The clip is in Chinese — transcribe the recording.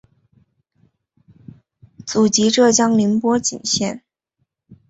祖籍浙江宁波鄞县。